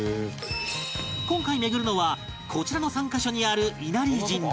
今回巡るのはこちらの３カ所にある稲荷神社